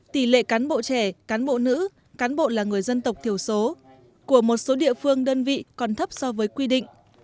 tỷ lệ cán bộ trẻ cán bộ nữ cán bộ là người dân tộc thiểu số của một số địa phương đơn vị còn thấp so với quy định